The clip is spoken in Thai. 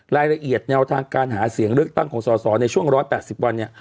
รายละเอียดแนวทางการหาเสียงเลือกตั้งของสอสอในช่วง๑๘๐วันเนี่ย